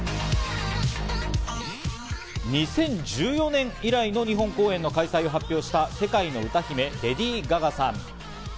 ２０１４年以来の日本公演の開催を発表した世界の歌姫レディー・ガガさん。